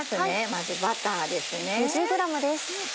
まずバターです。